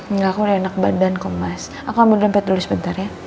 enggak aku udah enak badan kok mas aku mau dompet dulu sebentar ya